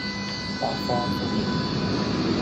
八方呼應